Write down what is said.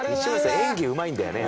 演技うまいんだよね。